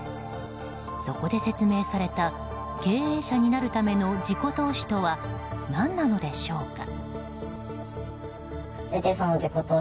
そこで説明された経営者になるための自己投資とは何なのでしょうか。